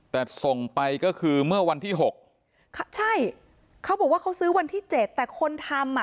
แต่ส่งไปก็คือเมื่อวันที่หกใช่เขาบอกว่าเขาซื้อวันที่เจ็ดแต่คนทำอ่ะ